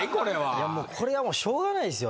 いやこれはもうしょうがないんすよ